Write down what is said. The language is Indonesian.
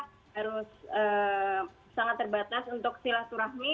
terus sangat terbatas untuk silat turahmi